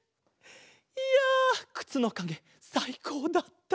いやくつのかげさいこうだった！